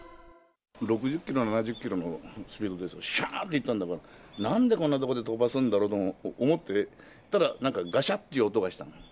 ６０キロ、７０キロのスピードで、しゃーっと行ったんだから、なんでこんな所で飛ばすんだろうと思ってたら、なんかがしゃっと音がした。